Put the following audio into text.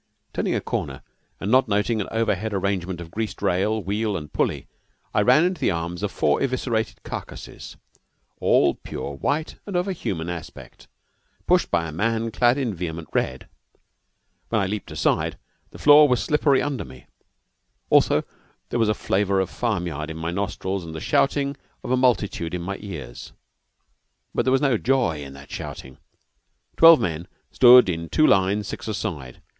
Turning a corner, and not noting an overhead arrangement of greased rail, wheel, and pulley, I ran into the arms of four eviscerated carcasses, all pure white and of a human aspect, pushed by a man clad in vehement red. When I leaped aside, the floor was slippery under me. Also there was a flavor of farm yard in my nostrils and the shouting of a multitude in my ears. But there was no joy in that shouting. Twelve men stood in two lines six a side.